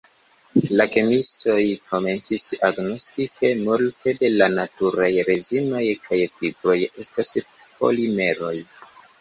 La kemiistoj komencis agnoski, ke multe de la naturaj rezinoj kaj fibroj estas polimeroj.